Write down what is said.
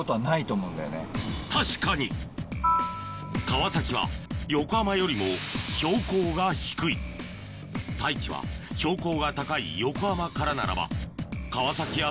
確かに川崎は横浜よりも標高が低い太一は標高が高い横浜からならば川崎や都心のビル群を越えて